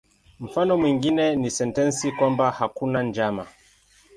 Mfano mwingine ni sentensi kwamba "hakuna njama".